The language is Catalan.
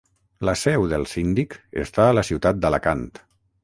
La seu del Síndic està a la ciutat d'Alacant.